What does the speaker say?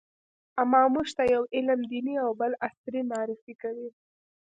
اما موږ ته يو علم دیني او بل عصري معرفي کوي.